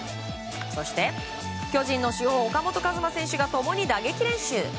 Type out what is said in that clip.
そして、巨人の主砲岡本和真選手らが共に打撃練習。